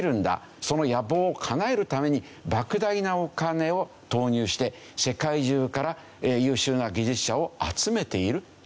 その野望をかなえるために莫大なお金を投入して世界中から優秀な技術者を集めているという事ですね。